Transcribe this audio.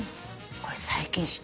これ最近知って。